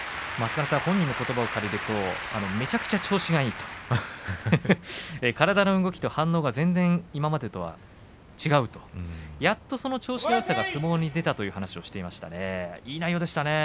本人のことばを借りるとめちゃくちゃ調子がいい体の動きと反応が今までとは違うやっと調子のよさが相撲に出たという話をしていました。